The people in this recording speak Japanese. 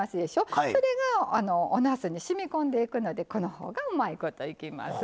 それがおなすにしみこんでいくのでこのほうがうまいこといきます。